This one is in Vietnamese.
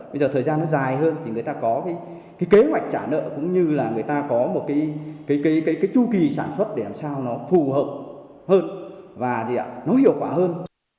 bây giờ thời gian nó dài hơn thì người ta có cái kế hoạch trả nợ cũng như là người ta có một cái chu kỳ sản xuất để làm sao nó phù hợp hơn và nó hiệu quả hơn